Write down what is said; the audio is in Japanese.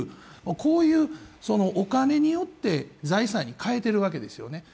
こういうお金によって財産に変えているわけですよね。